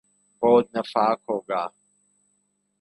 بہت نفاق ہو گا۔